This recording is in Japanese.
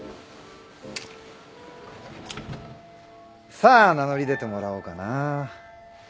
さあ名乗り出てもらおうかな。